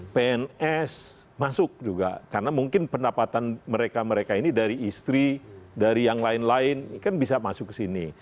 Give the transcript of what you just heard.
pns masuk juga karena mungkin pendapatan mereka mereka ini dari istri dari yang lain lain kan bisa masuk ke sini